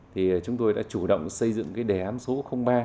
thì chúng tôi đã chủ động xây dựng cái đề án số ba